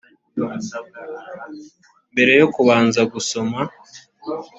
mbere yo kubanza gusoma